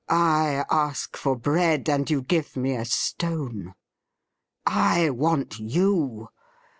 I ask for bread, and you give me a stone ! I want you.